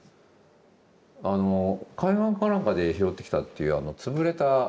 あの海岸かなんかで拾ってきたっていう潰れたあの缶の。